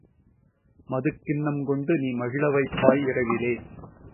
மதுக் கிண்ணம் கொண்டு நீ மகிழ வைப்பாய் இரவிலே!